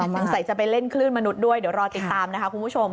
สงสัยจะไปเล่นคลื่นมนุษย์ด้วยเดี๋ยวรอติดตามนะคะคุณผู้ชม